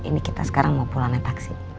ini kita sekarang mau pulang naik taksi